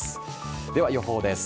では予報です。